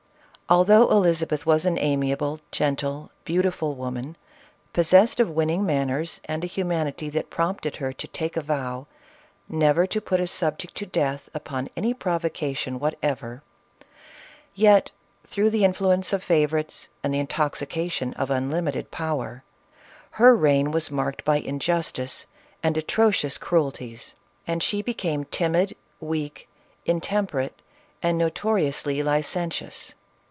Although Elizabeth was an amiable, gentle, beauti ful woman, possessed of winning manners, and a hu manity that prompted her to take a vow —" Never to put a subject to death upon any provocation whatever," yet through the influence of favorites, and the intoxi cation of unlimited power, her reign was marked by injustice, and atrocious cruelties, and she became timid, weak, intemperate, and notoriously licentious.